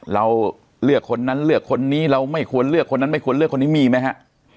เราเลือกคนนั้นเลือกคนนี้เราไม่ควรเลือกคนนั้นไม่ควรเลือกคนนี้มีไหมฮะ